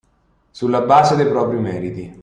Sulla base dei propri meriti.